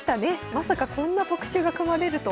まさかこんな特集が組まれるとは。